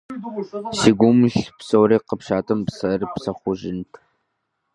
Си гум илъ псори къэпщӀатэм, псэр псэхужынт.